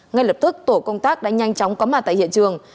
ngay lập tức tổ công tác đã nhanh chóng có mặt tại hiện trường